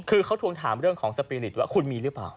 คือเขาทวงถามเรื่องของสปีริตว่าคุณมีหรือเปล่า